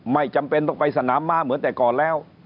ไม่จำเป็นต้องไปสนามม้าเหมือนแต่ก่อนแล้ว